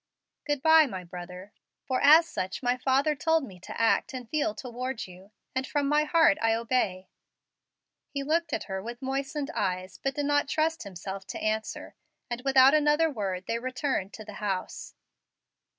Good by, my brother, for as such my father told me to act and feel toward you, and from my heart I obey." He looked at her with moistened eyes, but did not trust himself to answer, and without another word they returned to the house.